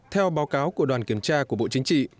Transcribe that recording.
theo báo cáo của đoàn kiểm tra của bộ chính trị